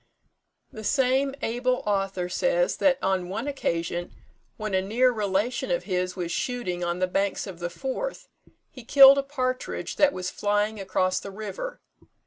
The same able author says, that on one occasion when a near relation of his was shooting on the banks of the Forth, he killed a partridge that was flying across the river.